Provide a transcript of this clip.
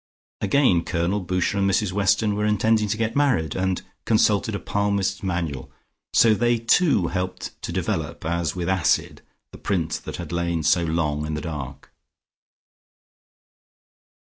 Again Colonel Boucher and Mrs Weston were intending to get married, and consulted a Palmist's Manual, so they too helped to develop as with acid the print that had lain so long in the dark.